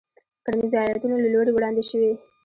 د کرنیزو ایالتونو له لوري وړاندې شوې وې.